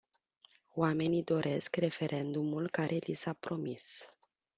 Oamenii doresc referendumul care li s-a promis.